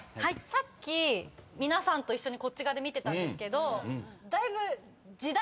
さっき皆さんと一緒にこっち側で見てたんですけどだいぶ。